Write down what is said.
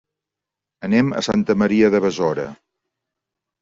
Anem a Santa Maria de Besora.